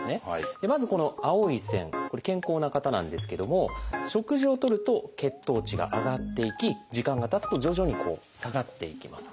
まずこの青い線これ健康な方なんですけども食事をとると血糖値が上がっていき時間がたつと徐々に下がっていきます。